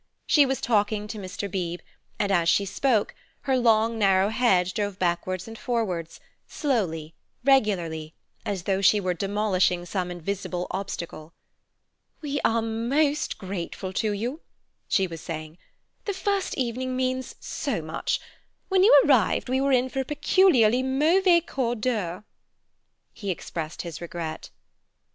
She was talking to Mr. Beebe, and as she spoke, her long narrow head drove backwards and forwards, slowly, regularly, as though she were demolishing some invisible obstacle. "We are most grateful to you," she was saying. "The first evening means so much. When you arrived we were in for a peculiarly mauvais quart d'heure." He expressed his regret.